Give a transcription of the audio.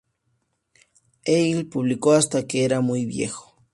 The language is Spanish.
Hegel publicó hasta que era muy viejo.